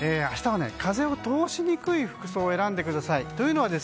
明日は風を通しにくい服装を選んでください。